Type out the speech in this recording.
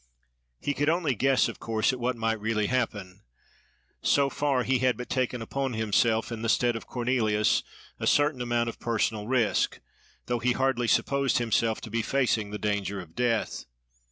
He could only guess, of course, at what might really happen. So far, he had but taken upon himself, in the stead of Cornelius, a certain amount of personal risk; though he hardly supposed himself to be facing the danger of death.